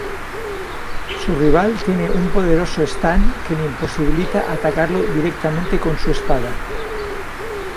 Su rival tiene un poderoso Stand que le imposibilita atacarlo directamente con su espada.